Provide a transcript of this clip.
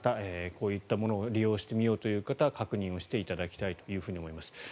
こういったものを利用してみようという方確認をしていただきたいと思います。